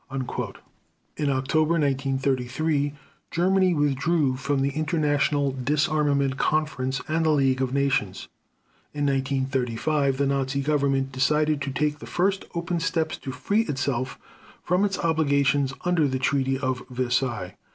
In October 1933 Germany withdrew from the International Disarmament Conference and the League of Nations. In 1935 the Nazi Government decided to take the first open steps to free itself from its obligations under the Treaty of Versailles.